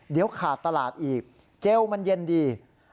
เดี๋ยวขาดตลาดอีกเจลมันเย็นดี